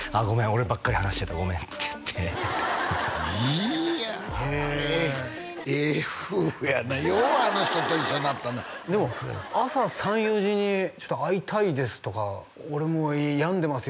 俺ばっかり話してたごめんって言っていやへえええ夫婦やなようあの人と一緒になったなでも朝３４時にちょっと会いたいですとか俺もう病んでます